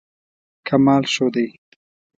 کمال ښودی.